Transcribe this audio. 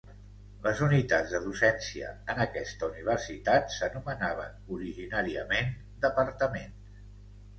Les unitats de docència en aquesta universitat s'anomenaven originàriament "departaments".